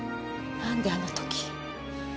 何であの時。